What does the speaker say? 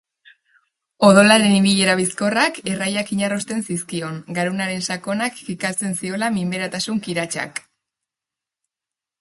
Odolaren ibilera bizkorrak erraiak inarrosten zizkion, garunaren sakona kilikatzen ziola minberatasun kiratsak.